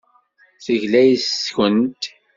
Tegla yes-kent.